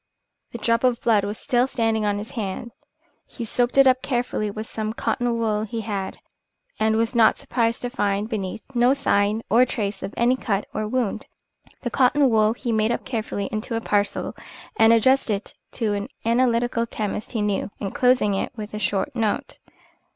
The drop of blood was still standing on his hand. He soaked it up carefully with some cotton wool he had, and was not surprised to find beneath no sign or trace of any cut or wound. The cotton wool he made up carefully into a parcel and addressed it to an analytical chemist he knew, inclosing with it a short note.